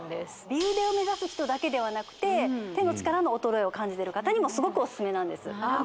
美腕を目指す人だけではなくて手の力の衰えを感じてる方にもすごくオススメなんですああ